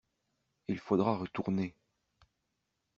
Il faudra retourner.